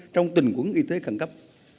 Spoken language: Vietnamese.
trong tình huống y tế khẳng cấp